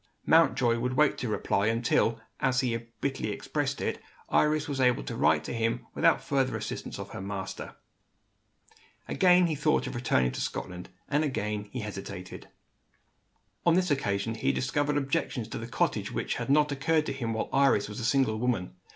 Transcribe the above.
Mountjoy would wait to reply, until, as he bitterly expressed it, Iris was able to write to him without the assistance of her master. Again he thought of returning to Scotland and, again, he hesitated. On this occasion, he discovered objections to the cottage which had not occurred to him while Iris was a single woman.